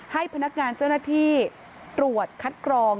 ให้พนักงานเจ้าหน้าที่ตรวจคัดกรอง